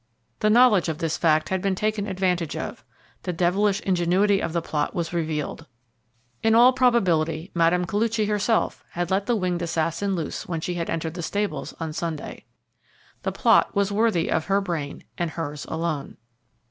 The knowledge of this fact had been taken advantage of the devilish ingenuity of the plot was revealed. In all probability Mme. Koluchy had herself let the winged assassin loose when she had entered the stables on Sunday. The plot was worthy of her brain, and hers alone.